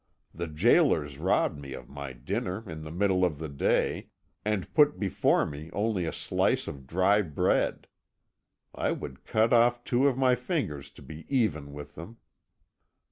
The gaolers robbed me of my dinner in the middle of the day, and put before me only a slice of dry bread. I would cut off two of my fingers to be even with them."